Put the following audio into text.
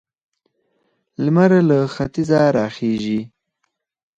لمر له ختیځه راخيژي.